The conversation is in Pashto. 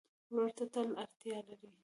ورور ته تل اړتیا لرې.